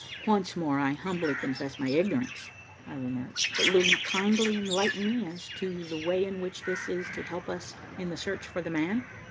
"Once more I humbly confess my ignorance," I remarked, "but will you kindly enlighten me as to the way in which this is to help us in the search for the man?"